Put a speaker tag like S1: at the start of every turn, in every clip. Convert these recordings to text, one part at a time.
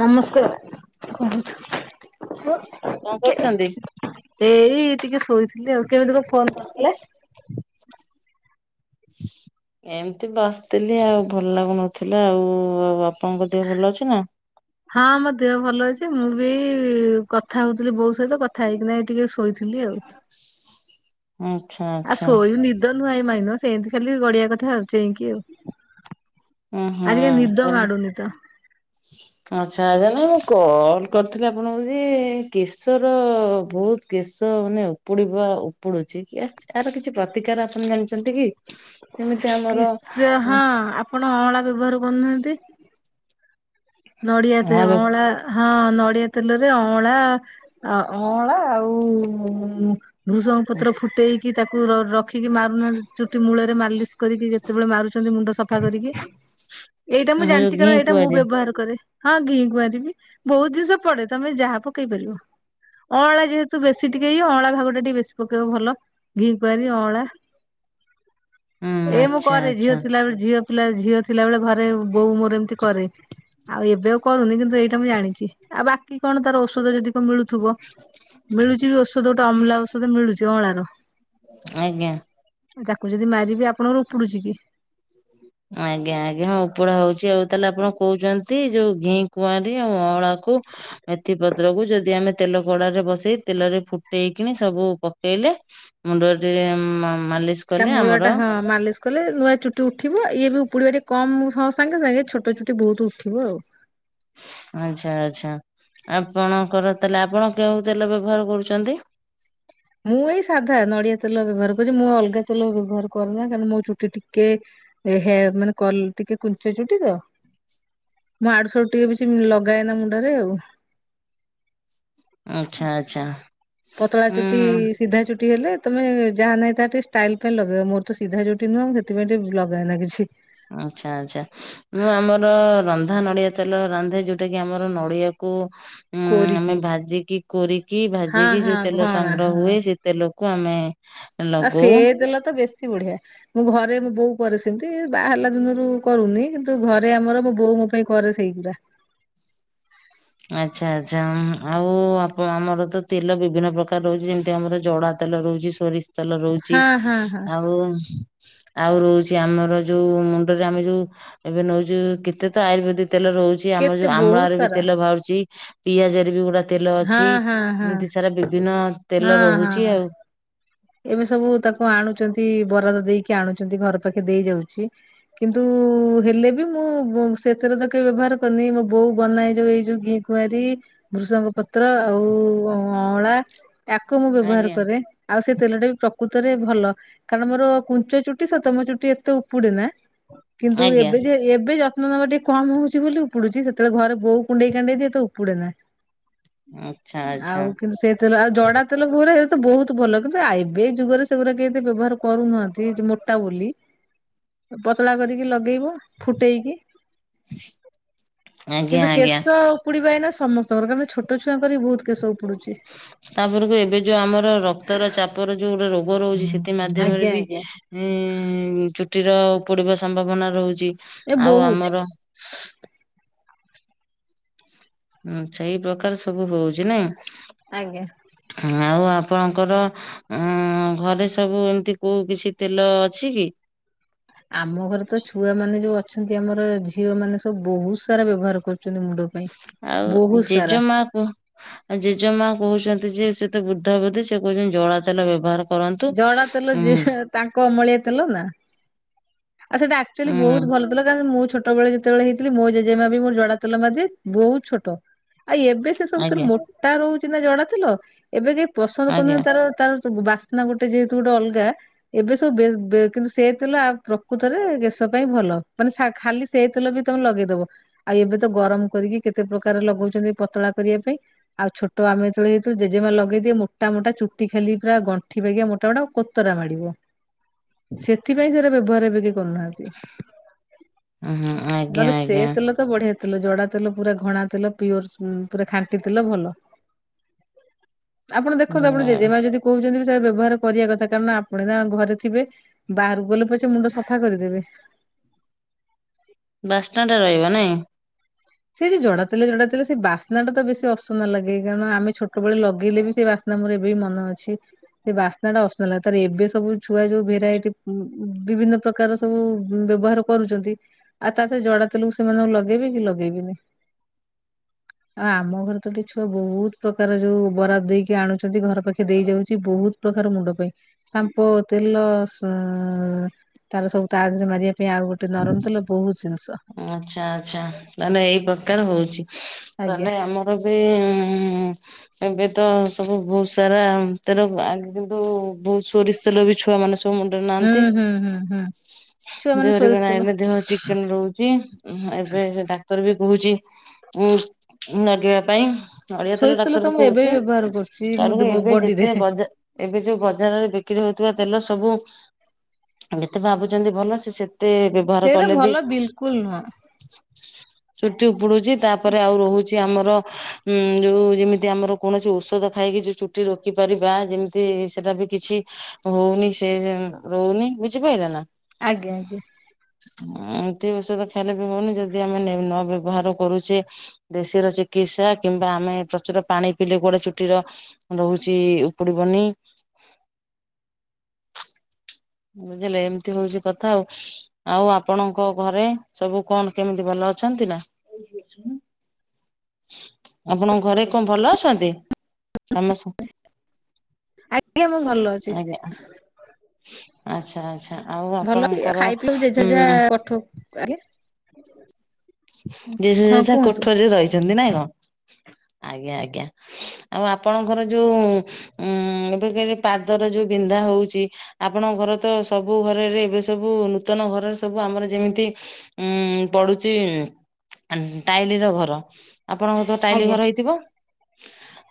S1: ନମସ୍କାର। [unintelligible]
S2: କଣ
S1: କେ
S2: କରୁଛନ୍ତି?
S1: ଏଇ ଟିକେ ଶୋଇଥିଲି ଆଉ କେମିତି କ ଫୋନ କରିଥିଲେ? [inaudible]
S2: ଏମିତି ବସିଥିଲି ଆଉ ଭଲ ଲାଗୁନଥିଲା ଆଉ। ଆପଣଙ୍କ ଦେହ ଭଲ ଅଛି ନା?
S1: ହଁ ମୋ ଦେହ ଭଲ ଅଛି। ଏ ମୁଁ ବି କଥା ହଉଥିଲି ବୋଉ ସହିତ କଥା ହେଇକିନାହିକି ଟିକେ ଶୋଇଥିଲି ଆଉ।
S2: ଆଚ୍ଛା
S1: ଆ
S2: ଆଚ୍ଛା
S1: ଶୋଇନି ନିଦ ନୁହଁ ମ ସେମିତି ଖାଲି ଗଡିଆ କଥା ଚେଇଁ କି ଆଉ।
S2: ହଁ
S1: ଆଜିକା
S2: ହଁ
S1: ନିଦ
S2: ତାଲେ
S1: ମାଡୁନି ତ
S2: ଆ ଆଚ୍ଛା ଆଛା ନା କଲ କରିଥିଲା ଆପଣଙ୍କୁ ଯେ କେଶର ବହୁତ କେଶ ମାନେ ଉପୁଡିବ ଉପୁଡୁଚି, ଆର କିଛି ପ୍ରତିକାର ଆପଣ ଜାଣିଚନ୍ତି କି? ଯେମିତି ଆମର
S1: କେଶ ହଁ ଆପଣ ଅଁଳା ବ୍ୟବହାର କରୁନାହାନ୍ତି। ନଡ଼ିଆ ତେ
S2: ଧଳା
S1: ଅଁଳା ହଁ ନ ଡିଆ ତେଲରେ ଅଁଳା ଅଁଳା ଆଉ ଭୃସଙ୍ଗ ପତ୍ର ଫୁଟେଇକି ତାକୁ ରଖିକି ମାରୁନାହାନ୍ତି ଚୁଟି ମୂଳରେ ମାଲିଶ କରିକି ଯେତେବେଳେ ମାରୁଚନ୍ତି ମୁଣ୍ଡ ସଫା କରିକି ଏଇଟା ମୁଁ
S2: ଧଳା ଯୋଉ
S1: ଜାଣିଚି
S2: ଘି
S1: କାରଣ ଏଇଟା ମୁଁ
S2: କୁଆଁରିଆ
S1: ବ୍ୟବହାର ଏ ହଁ ଘି କୁଆଁରି ବି ବହୁତ ଜିନିଷ ପଡେ ତମେ ଯାହା ପକେଇ ପାରିବ। ଅଁଳା ଯେହେତୁ ବେଶୀ ଟିକେ ଇଏ ଅଁଳା ଭାଗ ଟା ଟିକେ ବେଶୀ ପକେଇବ ଭଲ ଘି କୁଆର ଅଁଳା।
S2: ହୁଁ
S1: ଏ ମୁଁ
S2: ଆଚ୍ଛା
S1: କରେ ଝିଅ
S2: ଆଚ୍ଛା
S1: ଥିଲାବେଳେ ଝିଅ ପିଲା ଝିଅ ଥିଲା ବେଳେ ଘରେ ବୋଉ ମୋର ଏମିତି କରେ। ଆଉ ଏବେ ଆଉ କରୁନି କିନ୍ତୁ ଏଇଟା ମୁଁ ଜାଣିଚି ଆଉ ବାକି କଣ ତାର ଔଷଧ ଯଦି କଣ ମିଳୁଥିବ ମିଳୁଚି ବି ଔଷଧ ଗୋଟେ ଅମ୍ଲା ଔଷଧ ମିଳୁଚି ଅଁଳାର।
S2: ଆଜ୍ଞା।
S1: ତାକୁ ଯଦି ମାରିବେ, ଆପଣଙ୍କର ଉପୁଡୁଚି କି?
S2: ଆଜ୍ଞା ଆଜ୍ଞା ହଁ ଉପୁଡା ହଉଚି ଆଉ ତାହେଲେ ଆପଣ କହୁଚନ୍ତି ଯୋଉ ଘି କୁଆଁରୀ ଆଉ ଅଁଳାକୁ ମେଥି ପତ୍ରକୁୁ ଯଦି ଆମେ ତେଲ କଡାରେ ବସେଇ ତେଲରେ ଫୁଟେଇକିନା ସବୁ ପକେଇଲେ ମୁଣ୍ଡଟିରେ ମା
S1: ତା ମୂଳ ଟା ହଁ ମାଲିସ କଲେ ନୂଆ ଚୁଟି ଉଠ ଠିବ ଇଏ ବି ଉପୁଡିବା ଟିକେ କମ ସାଙ୍ଗେ ସାଙ୍ଗେ ଛୋଟ ଚୁଟି ବହୁତ ଉଠିବ ଆଉ।
S2: ଆଚ୍ଛା ଆଚ୍ଛା ଆପଣଙ୍କର ତାହେଲେ ଆପଣ କେଉ ତେଲ ବ୍ୟବହାର କରୁଚନ୍ତି?
S1: [inaudible] ମୁଁ ଏଇ ସାଧା ନଡ଼ିଆ ତେଲ ବ୍ୟବହାର କରୁଛି ମୁଁ ଅଲଗା ତେଲ ବ୍ୟବହାର କରୁନା କାରଣ ମୋ ଚୁଟି ଟିକେ ଏ ହେ ମାନେ କଲ ଟିକେ କୁଞ୍ଚ ଚୁଟି ତ। ମୁଁ ଆଡୁ ସିଆଡୁ ଟିକେ ବେଶୀ ଲଗାଏନା ମୁଣ୍ଡରେ ଆଉ।
S2: ଆଚ୍ଛା ଆଚ୍ଛା।
S1: ପତଳା ଚୁଟି
S2: ହୁଁ।
S1: ସିଧା ଚୁଟି ହେଲେ ତମେ ଯାହା ନାହିଁ ତା ଟକେ ତମେ ଷ୍ଟାଇଲ ଫାଇଲ ଲଗେଇବା ମୋର ତ ସିଧା ଚୁଟି ନୁହଁ ସେଥିପାଇଁ ଟିକେ ଲଗା ଏନା କିଛି।
S2: ଆଚ୍ଛା ଆଚ୍ଛା ମୁଁ ଆମର ରନ୍ଧା ନଡିଆ ତେଲ ରାନ୍ଧେ ଯୋଉଟା କି ଆମର ନଡିଆକୁ ଉଁ,
S1: କୋରିକି
S2: ଆମେ ଭାଜିକି, କୋରିକି
S1: ହଁ
S2: ଭାଜିକି
S1: ହଁ
S2: ଯୋଉ ତେଲ
S1: ଘଣା ହଁ
S2: ସଂଗ୍ରହ ହୁଏ ସେ ତେଲକୁ କୁ ଆମେ
S1: ଆଉ ସେ
S2: ଲଗଉ
S1: ଦେଲା ତ ବେଶୀ ବଢିଆ ମୁଁ ଘରେ ମୋ ବୋଉ କରେ ସେମିତି, ବାହାହେଲା ଦିନରୁ କରୁନି କିନ୍ତୁ ଘରେ ଆମର ମୋ ବୋଉ ମୋ ପାଇଁ କରେ ସେଇ ଗୁରା।
S2: ଆଚ୍ଛା ଆଚ୍ଛା ଉଁ ଆଉ ଆମର ତ ତେଲ ବିଭିନ୍ନ ପ୍ରକାର ରହୁଛି, ଯେମିତି ଆମର ଜଡା ତେଲ ରହୁଛି ସୋରିଷ ତେଲ ରହୁଛି
S1: ହଁ ହଁ ହଁ
S2: ଆଉ ଆଉ ରହୁଛି ଆମର ଯୋଉ ମୁଣ୍ଡରେ ଆମେ ଯୋଉ ଏବେ ନଉଛୁ, କେତେ ତ ଆୟୁର୍ବେଦିକ ତେଲ ରହୁଛି, ଆମର
S1: କେତେ
S2: ଯୋଉ
S1: ବହୁତ
S2: ଆମ୍ଳାରେ ବି
S1: ସାରା
S2: ତେଲ ବାହାରୁଛି ପିଆଜରେ ବି ଗୁଡା ତେଲ
S1: ହଁ
S2: ଅଛି
S1: ହଁ ହଁ
S2: ଏମିତି ସାରା ବିଭିନ୍ନ
S1: ହଁ
S2: ତେଲ
S1: ହଁ
S2: ରହୁଛି ଆଉ।
S1: ଏବେ ସବୁ ତାକୁ ଆଣୁଛନ୍ତି, ବରାଦ ଦେଇକି ଆଣୁ ଆଣୁଛନ୍ତି ଘର ପାଖେ ଦେଇ ଯାଉଛି, କିନ୍ତୁ ହେଲେ ବି ମୁଁ ସେଥିର ତ କେବେ ବ୍ୟବହାର କରି ମୋ ବୋଉ ବନାଏ ଯୋଉ ଏଇ ଯୋଉ ଘି କୁଆଁରୀ, ଭୃଷଙ୍ଗ ପତ୍ର ଆଉ ଅଁଳା ତାକୁ ମୁଁ ବ୍ୟବହାର
S2: ଆଜ୍ଞା
S1: କରେ, ଆଉ ସେ ତେଲଟା ବି ପ୍ର ପ୍ରକୃତରେ ଭଲ, କାରଣ ମୋର କୁଞ୍ଚ ଚୁଟି ସେତ ମୋ ଚୁଟି ଏତେ ଉପୁଡେନା। କିନ୍ତୁ
S2: ଆଜ୍ଞା
S1: ଏବେ ଯେ ଏବେ ଯ [unintelligible] ଟିକେ କମ ହଉଛି ବୋଲି ଉପୁଡୁଛି ସେତେବେଳେ ଘରେ ବୋଉ କୁଣ୍ଡେଇ କାଣ୍ଡେଇ ଦିଏ ତ ଉପୁଡ଼େ ନା।
S2: ଆଚ୍ଛା ଆଚ୍ଛା
S1: ଆଉ କିନ୍ତୁ ସେ ତେଲ ଆଉ ଜଡା ତେଲ ପୋରା ତ ବହୁତ ଭଲ କିନ୍ତୁ ଆବେ ଯୁଗରେ ସେଗୁରା କିଏ ଏତେ ବ୍ୟବହାର କରୁ ନାହାନ୍ତି ଯ ମୋଟା ବୋଲି। ପତଳା କରିକି ଲଗେଇବ ଫୁଟେଇକି।
S2: ଆଜ୍ଞା
S1: କିନ୍ତୁ
S2: ଆଜ୍ଞା
S1: କେଶ ଉପୁଡିିବା ଏଇନା ସମସ୍ତ ସରକାର ଛୋଟ ଛୁଆଙ୍କ ବି ବହୁତ କେଶ ଉ
S2: ତାପରକୁ ଏବେ ଯୋଉ ଆମର ରକ୍ତର ଚାପର ଯୋଉ ଗୋଟେ ରୋଗ ରହୁଛି ସେ ମାଧ୍ୟମରେ
S1: ଆଜ୍ଞା
S2: ବି
S1: ଆଜ୍ଞା।
S2: ଇଁ ଚୁଟିର ଉପୁଡିଡିବା ସମ୍ଭାବନା ରହୁଛି।
S1: ଏ
S2: ଆଉ
S1: ବହୁତ।
S2: ଆମର ହଁ ଆଚ୍ଛା ଏଇ ପ୍ରକାର ସବୁ ହଉଛି ନାଇଁ।
S1: ଆଜ୍ଞା।
S2: ଆଉ ଆପଣଙ୍କର ଉଁ ଘରେ ସବୁ ଏମିତି କୋଉ କିଛି ତେଲ ଅଛି କି?
S1: [inaudible] ଆମ ଘରେ ତ ଛୁଆ ମାନେ ଯୋଉ ଅଛନ୍ତି ଆମର ଝିଅ ମାନେ ସବୁ ବହୁତ ସାରା ବ୍ୟବହାର କରୁ।
S2: ଆଉ ଜେଜେମାକୁ ଆଉ ଜେଜେମା କହୁଛନ୍ତି ଯିଏ ସେତେ ବୃଦ୍ଧବୃଧି ସେ କହୁଛନ୍ତି ଜଳା ତେଲ ବ୍ୟବହାର କରନ୍ତୁ।
S1: ଜଡା ତେଲ
S2: ହୁଁ
S1: ଯିଏ ତାଙ୍କ ଅମଳିଆ ତେଲ ନା। ଆଉ ସେଇଟା ଆକଚୁଆଲି
S2: ହୁଁ
S1: ବହୁତ ଭଲ ତେଲ [unintelligible] ମୁଁ ଛୋଟବେଳେ ଯେତେବେଳେ ହେଇଥିଲି ମୋ ଜେଜେମା ବି ମୋ ଜଡା ତେଲ ମାରିଦିଏ ବହୁତ ଛୋଟ ଆଉ ଏବେ ସେ ସବୁଥିର
S2: ଆଜ୍ଞା
S1: ମୋଟା ରହୁଛି ନା ଜଡା ଡେଲ ଏବେ କେହି ପସନ୍ଦ
S2: ଆଜ୍ଞା
S1: କରୁନନ୍ତି ତାର ତାର ନା ଗୋଟେ ଯେହେତୁ ଗୋଟେ ଅଲଗା ଏବେ ସବୁ ବେ-ବେ କିନ୍ତୁ ସେ ତେଲ ଆ ପ୍ରକୃତରେ କେଶ ପାଇଁ ଭଲ। ଭଲ ମାନେ ସା ଖାଲି ସେ ତେଲ ବି ତମେ ଲଗେଇଦବ ଆଉ ଏବେ ତ ଗରମ କରିକି କେତେ ପ୍ରକାର ଲଗଉଛନ୍ତି। ପ ପତଳା କରିବା ପାଇଁ ଆଉ ଛୋଟ ଆମେ ଯେତଳେ ହେଇଥିଲୁ ଜେଜେମା ଲଗେଇଦିଏ ମୋଟା ମୋଟା ଚୁଟି ଖାଲି ପୁରା ଗଣ୍ ଏଠି ପରିକା ମୋଟାମୋଟା କୋତରା ମାଡିବ ସେଥିପାଇଁ ସେରା ବ୍ୟବହାର ଏବେ କି? କରୁନାହାନ୍ତି
S2: ହୁଁ ଆଜ୍ଞା
S1: ନହେଲେ ସେ
S2: ଆଜ୍ଞା।
S1: ତେଲ ତ ବଢିଆ! ତେଲ ଜଡା ତେଲ ପୁରା ଘଣା ତେଲ ପିଓର ଉଁ ପୁରା ଖାଣ୍ଟି ତେଲ ଭଲ। ଆପଣ ଦେଖନ୍ତୁ ଆପଣ ଜେଜେମା ଯଦି କହୁଛନ୍ତି ବ୍ୟବହାର କରିବା କଥା କାରଣ ଆପଣ ନା ଘରେ ଥିବେ ବାହାରକୁ ଗଲେ ପଛେ ମୁଣ୍ଡ ସଫା କରିଦେବେ। ହ [inaudible]
S2: ବାସ୍ନା ଟା ରହିବ ନାଇଁ।
S1: ସେ ଯଉ ଜଡା ତେଲ ଜଡା ତେଲ ସେ ବାସ୍ନା ଟା ତ ବେଶୀ ଅସନା ଲାଗେ କାରଣ ଆମେ ଛୋଟ ବେଳେ ଲଗେଇଲେ ବି ସେ ବା ନାଁ ମୋର ଏବେ ବି ମନ ଅଛି। ସେ ବାସ୍ନା ଟା ଅସନା ଲାଗେ ତାପରେ ଏବେ ସବୁ ଛୁଆ ଯୋଉ ଭେରାଇଟି ମ ବିଭିନ୍ନ ପ୍ରକାର ସବୁ ବ୍ୟବହାର କରୁଛନ୍ତି ଆଉ ତା ଜଡା ତେଲକୁ ସେମାନେ ଲଗେଇବେି କି? ଲଗେଇବେନି। [unintelligible] ଆଉ ଆମ ଘରେ ତ ଗୋଟେ ଛୁଆ ବହୁତ ପ୍ରକାର ଯୋଉ ବରାଦ ଦେଇକି ଆଣୁଛନ୍ତି ଘର ପାଖେ ଦେଇ ଯାଉଛି ବହୁତ ପ୍ରକାର ମୁଣ୍ଡ ପାଇଁ ସାମ୍ପ ତେଲ ସ ତାର ସବୁ ତା ଦେହରେ ମାରିବା ପାଇଁ ଆଉ ଗୋଟେ ନରମ ତେଲ ବହୁତ ଜିନିଷ
S2: କାର ହଉଛି
S1: ଆଜ୍ଞା
S2: ଆମେ ଆମର ବି ଇ ଏବେ ତ ସବୁ ବହୁତ ସାରା ତେଲ ଆଗେ କିନ୍ତୁ ବହୁତ ସୋରିଷ ତେଲ ବି ଛୁଆ ମାନେ ସବୁ ମୁଣ୍ଡରେ
S1: ହୁଁ
S2: ନାହାନ୍ତି
S1: ହୁଁ ହୁଁ ହୁଁ। ଛୁଆ ମାନେ
S2: ଦେହରେ ବି
S1: ସୋରିଷ ତେଲ
S2: ନାହିଁ ଦେହରେ ଚିକେନ ରହୁଛି ଏବେ ଡାକ୍ତର ବି କହୁଛି ଉ ଲଗେଇବା ପାଇଁ? ନଡିଆ ତେଲ
S1: ସୋରିଷ
S2: ଡାକ୍ତର
S1: ତ
S2: ବି
S1: ମୁଁ ଏବେ
S2: କହୁଛି
S1: ବ୍ୟବହାର କରୁଛି
S2: ତା ପରେ
S1: ମୁଁ
S2: ଏବେ
S1: ବଡିରେ
S2: ଯେତେ ବଜା ଏବେ ଯୋଉ ବଜାରରେ ବିକ୍ରି ହଉଛି ତେଲ ସବୁ ଯେତେ ଭାବୁଛନ୍ତି ଭଲ ସେ ସେ ତେ ବ୍ୟବହାର
S1: ସେଇଟା
S2: କଲେ ବି?
S1: ଭଲ ବିଲକୁଲ ନୁହଁ
S2: ଚୁଟି ଉପୁଡୁଛି ତାପରେ ଆଉ ରହୁଛି ଆମର ହୁଁ ଯୋଉ ଯେମିତି ଆମର କୌଣସି ଔଷଧ ଖାଇକି ଯୁ ଚୁଟି ରୋକି ପାରିବା ଯେମିତି ସେଇଟା ବି କିଛି ହଉନି ସେ ଯେ ରହୁନି ବୁଝିପାରିଲେ ନା?
S1: ଆଜ୍ଞା ଆଜ୍ଞା।
S2: ଏମିତି ଔଷଧ ଖାଇଲେ ବି ହଉନି ଯଦି ଆମେ ନ ବ୍ୟବହାର କରୁଛେ ଦେଶୀର ଚିକି ଚିକିତ୍ସା କିମ୍ବା ଆମେ ପ୍ରଚୁର ପାଣି ପିଇଲେ କୁଆଡେ ଚୁଟିର ରହୁଛି ଉପୁଡିବନି
S1: ଆ
S2: କି
S1: [inaudible]
S2: ବୁଝିଲେ ଏମିତି ହଉଛି କଥା ଆଉ ଆଉ ଆପଣଙ୍କ ଘରେ ସବୁ କଣ କେମିତି ଭଲ ଅଛନ୍ତି ନା? ଆପଣଙ୍କ ଘରେ କଣ ଭଲ ଅଛନ୍ତି? ରାମସ
S1: ଆଜ୍ଞା ମୁଁ ଭଲ ଅଛି
S2: ଆଜ୍ଞା। ଆଚ୍ଛା ଆଚ୍ଛା ଆଉ
S1: ଭଲ ଅଛି
S2: ଆପଣଙ୍କର
S1: ଖାଇ ପିଇକୁ ଜେଝା
S2: ଉଁ
S1: ଯାହା ପଠ ଆଜ୍ଞା
S2: ଯିଏ ଯେଝା ଯେଝା କୋଠରିରେ ରହିଛନ୍ତି ନାଁ କଣ?
S1: ହ [inaudible]
S2: ଆଜ୍ଞା ଆଜ୍ଞା। ଆଉ ଆପଣଙ୍କର ଯୋଉ ଉଁ ଏବେ ଫେରେ ପାଦର ଯୋଉ ବିନ୍ଧା ହଉଛି ଆପଣ ଆମ ଘର ତ ସବୁ ଘରରେ ଏବେ ସବୁ ନୂତନ ଘରରେ ସବୁ ଆମର ଯେମିତି ଉ ପଡୁଛି ଆମ୍ ଟାଇଲିର ଘର, ଆପଣଙ୍କ ତ ଟାଇଲି
S1: ଆଜ୍ଞା
S2: ଘର ହେଇଥିବ?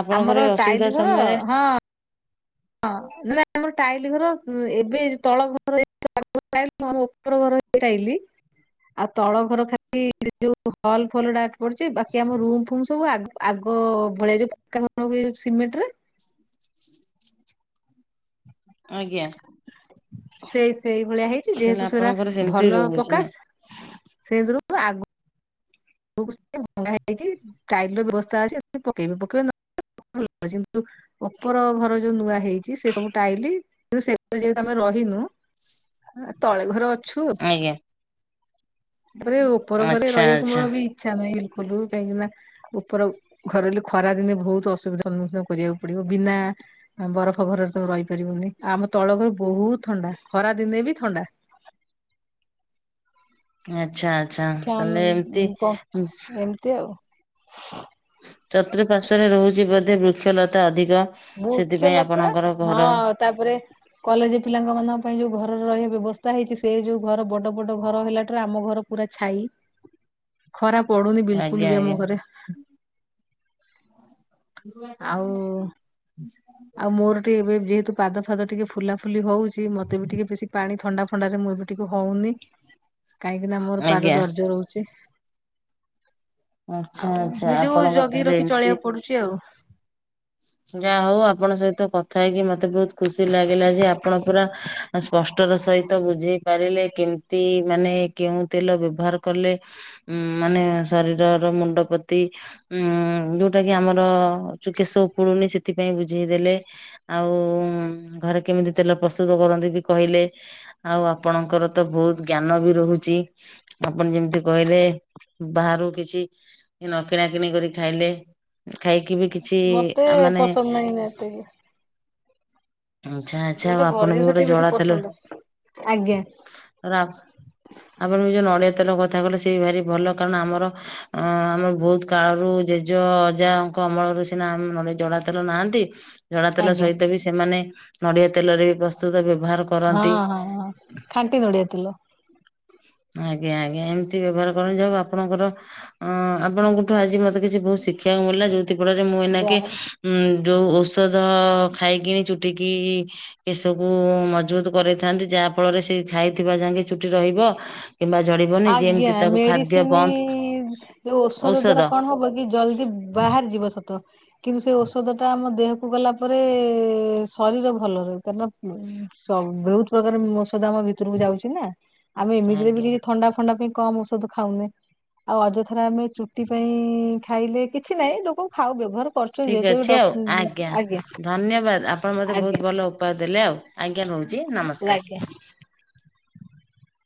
S2: ଆପଣଙ୍କର
S1: ଆମର
S2: ଏ ଅସୁବିଧା
S1: ଟାଇଲି ଘର
S2: ସମୟରେ
S1: ହଁ। ହଁ, ନାଇ ଆମର ଟାଇଲି ଘର ମ ଏବେ ତଳ ଘର [unintelligible] ଟାଇଲ [unintelligible] ଆମ ର ଉପର ଘର ହେଇଛି ଟାଇଲି। ଆଉ ତଳ ଘର ଖାଲି ଯୋଉ ହଲ ଫଲ ଗୁଡା ପଡିଛି ବାକି ଆମ ରୁମ ଫୁମ ସବୁ ଆଗ ଆଗ ଆଗ ଭଳି କଣ ଯୋଉ ସିମେଣ୍ଟରେ।
S2: ଆଜ୍ଞା।
S1: ସେଇ ସେଇ ଭଳିଆ ହେଇଛି
S2: ତାହେଲେ
S1: ଯେହେତୁ ସେଇରା
S2: ଆପଣଙ୍କର ସେମିତି
S1: ଭଲ
S2: ରହୁଛି ନା
S1: ପକାଶ ସେଥିରୁ ଆଗ [unintelligible] ଭଙ୍ଗା ହେଇକି ଟାଇଲ ବ୍ୟବସ୍ଥା ଅଛି ପକେଇବେ ପକେଇବେ ନ କିନ୍ତୁ ଉପର ଘର ଯୋଉ ନୂଆ ହେଇଛି ସେ ସବୁ ଟାଇଲି କିନ୍ତୁ [unintelligible] ରହି ରହି ଏ ତଳେ ଘର ଅ ଛୁ,
S2: ଆଜ୍ଞା
S1: ପରେ ଉପର ଘରେ
S2: ଆଚ୍ଛା
S1: ରହିବାକୁ
S2: ଆଚ୍ଛା
S1: ମୋର ବି ପାଇଁ ବିଲକୁଲୁ କାହିଁକି ନା ଉପର ଘରେ ଖରା ଦିନେ ବହୁତ ଅସୁବିଧା ସମ୍ମୁଖୀନ କରିବାକୁ ପଡିବ ବି ନା ବରଫ ଘରରେ ତମେ ରହିପାରିବୁନି ଆମ ତଳ ଘରେ ବହୁତ ଥଣ୍ଡା ଖରା ଦିନେ ବି ଥଣ୍ଡା! [unintelligible]
S2: ଆଛା ଆଚ୍ଛା
S1: ଫ୍ୟାନ
S2: ତାହେଲେ ଏମୀତି
S1: ପଙ୍ଖା ଏମିତି [unintelligible]
S2: ଚତୁପାର୍ଶ୍ଵରେ ରହୁଛି ବୋଧେ ବୃକ୍ଷଲତା ଅଧିକ। ସେଥିପାଇଁ
S1: ବୃକ୍ଷଲତା,
S2: ଆପଣଙ୍କର ଘର
S1: ହଁ ତାପରେ କଲେଜ ପିଲାଙ୍କ ମାନଙ୍କ ପାଇଁ ଯୋଉ ଘରର ରହିବା ବ୍ୟବସ୍ଥା ହେଇଛି ସେ ଯୋଉ ଘର ବଡ ବଡ ଘର ହେଲା ଠାରୁ ଆମ ଘର ପୁରା ଛାଇ ଖରାପ ପଡୁନି
S2: ଆଜ୍ଞା
S1: ବିଲିକୁଲ ବି
S2: ଆଜ୍ଞା
S1: ଆମ ଘରେ ଆଉ
S2: [unintelligible]
S1: ଆଉ ମୋର ଟିକେ ଏବେ ଯେହେତୁ ପାଦ ଫାଦ ଟିକେ ଫୁଲା ଫୁଲି ହଉଛି ମତେ ବି ଟିକେ ବେଶୀ ପାଣି ଥଣ୍ଡା ଫଣ୍ଡାରେ ମୁ ମୁଁ ଏବେ ଟିକେ ହଉନି କାହିଁକି ନା ମୋର
S2: ଆଜ୍ଞା।
S1: ପାଦ ଦର୍ଜ ରହୁଛି।
S2: ଆଚ୍ଛା
S1: ଆଉ
S2: ଆଚ୍ଛା
S1: ନିଜକୁ
S2: ଆପଣଙ୍କ
S1: ଜଗି
S2: ତାହେଲେ
S1: ରଖି
S2: ଏମିତି
S1: ଚଳିଆକୁ ପଡୁଛି ଆଉ
S2: ଯାହା ହଉ ଆପଣଙ୍କ ସହିତ କଥା ହେଇକି ମତେ ବହୁତ ଖୁସି ଲାଗିଲା ଯେ ଆପଣ ପୁରା ସ୍ପଷ୍ଟ ର ସହିତ ବୁଝେଇ ପାରିଲେ କେମତି ମାନେ କେଉଁ ତେଲ ବ୍ୟବହାର କଲେ ଉ ମାନେ ଶରୀରର ମୁଣ୍ଡପ୍ରତି ଉ ଯୋଉଟା କି ଆମର ଚୁକେଶ ପ ପୁଡୁନି ସେଥିପାଇଁ ବୁଝେଇଦେଲେ ଆଉ ଘରେ କେମିତି ତେଲ ପ୍ରସ୍ତୁତ କରନ୍ତି ବି କହିଲେ ଟେ ଆଉ ଆପଣଙ୍କର ତ ବହୁତ ଜ୍ଞାନ ବି ରହୁଛି ଆପଣ ଯେମିତି କହିଲେ ବାହାରୁ କିଛି ନ କିଣା କିିଣି କରି ଖାଇଲେ ଖାଇକି ବି କିଛି
S1: ମତେ
S2: ଆ ମାନେ
S1: ପସନ୍ଦ ନାହିଁ ନା ଏତେ
S2: ଆଛା ଆଚ୍ଛା ଆଉ
S1: ମତେ ଘର
S2: ଆପଣ ବି
S1: ଜିନିଷ
S2: ଗୋଟେ
S1: ଟିକେ ବେଶୀ
S2: ଜଡାତେଲ
S1: ପସନ୍ଦ। ଆଜ୍ଞା
S2: ରାପ ସ ଆପଣ ବି ଯ ନଡ଼ିଆ ତେଲ କ ଥା କହିଲେ ସେ ଭାରି ଭଲ କାରଣ ଆମର ଆମ ବହୁତ କାଳରୁ ଜେଜ ଅଜା ଙ୍କ ଅମଳ ଆଗରୁ ସିନା ଆମ ଜଡା ତେଲ ନାହାନ୍ତି ଜଡା ତେଲ
S1: ଆଜ୍ଞା
S2: ସହିତ ବି ସେମାନେ ନଡିଆ ତେଲରେ ବି ପ୍ରସ୍ଥ ପ୍ରସ୍ତୁତ ବ୍ୟବହାର
S1: ହଁ
S2: କରନ୍ତି।
S1: ହଁ ହ [unintelligible]
S2: ଆଜ୍ଞା ଆଜ୍ଞା ଏମିତି ବ୍ୟବହାର କରା ଯାଉ ଆପଣଙ୍କର ଅ ଆପଣଙ୍କଠୁ ଆଜି ମତେ କିଛି ବହୁତ ଶିକ୍ଷା ମିଳିଲା ଯୋଉଥି ଫଳରେ ମୁଁ ଏଇନାକେ
S1: ଯାହା ହଉ।
S2: ଉ ଯଉ ଔଷଧ ଖାଇକିଣୀ ଚୁଟିକି କେଶକୁ ମଜବୁତ କରିଥାନ୍ତି ଯାହା ଫଳରେ ସେ ଖାଇଥିବା ଯାକେ ଚୁଟି ରହିବ କିମ୍ବା ଝଡିବନି
S1: ଆଜ୍ଞା
S2: ଯେମିତି ତାକୁ ଖାଦ୍ୟ
S1: ମେଡିସିନି
S2: ବନ୍ଦ
S1: ଏ ଓଷଦ
S2: ଔଷଧ
S1: ଦ୍ଵାରା କଣ ହବ କି ଜଲଦି ବାହ ହାରି ଯିବ ସତ କିନ୍ତୁ ସେ ଔଷଧ ଟା ଆମ ଦେହକୁ ଗଲା ପରେ ଶରୀର ଭଲ ରହିବନି କାରଣ ସ ବହୁତ ପ୍ରକାର ମୀଔଷଧ ଆମ ଭିତରକୁ ଯାଉଛି ନା ଆମେ ଏମିତିରେ ବି
S2: ଆଜ୍ଞା
S1: କିଛି ଥଣ୍ଡା ଫଣ୍ଡା ପାଇଁ କମ ଔଷଧ ଖାଉନେ ଆଉ ଅଯଥାରେ ଆମେ ଚୁଟି ପାଇଁ ଖାଇଲେ କିଛି ନାହିଁ ଲୋକ ଖାଉ ବ୍ୟବହାର କରୁଛନ୍ତି
S2: ଠିକ
S1: ଯେହେତୁ ଏବେ
S2: ଅଛି ଆଉ
S1: ଡକ୍-
S2: ଆଜ୍ଞା ଧନ୍ୟବାଦ ଆପଣ ମତେ
S1: ଆଜ୍ଞା
S2: ବହୁତ ଭଲ ଉପାୟ ଦେଲେ ଆଉ ଆଜ୍ଞା ରହୁଛି। ନମସ୍କାର।
S1: ଆଜ୍ଞା